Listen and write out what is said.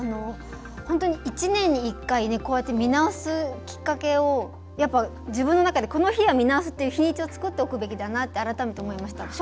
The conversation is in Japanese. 本当に１年に１回見直すきっかけを、自分の中でこの日は見直すという日にちを作っておくべきだなと改めて思いました。